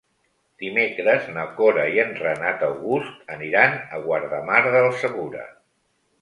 Dimecres na Cora i en Renat August aniran a Guardamar del Segura.